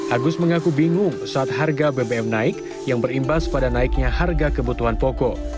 agus mengaku bingung saat harga bbm naik yang berimbas pada naiknya harga kebutuhan pokok